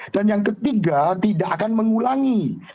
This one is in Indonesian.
dan yang ketiga tidak akan mengulangi